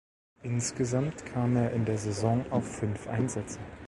Insgesamt kam er in der Saison auf fünf Einsätze.